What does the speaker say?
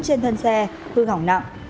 trên thân xe hư hỏng nặng